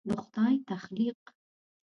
د خدای تخلیق